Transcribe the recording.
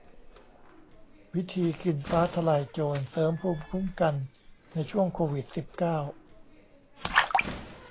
วิธีกินฟ้าทะลายโจรเสริมภูมิคุ้มกันในช่วงโควิด สิบเก้า